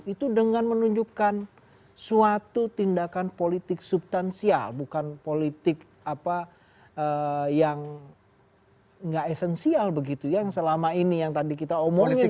itu dengan menunjukkan suatu tindakan politik subtansial bukan politik yang nggak esensial begitu yang selama ini yang tadi kita omongin